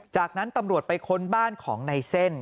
จากนั้นตำรวจไปค้นบ้านของในเส้น